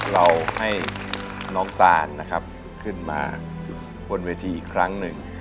เราให้น้องตานนะครับขึ้นมาบนเวทีอีกครั้งหนึ่ง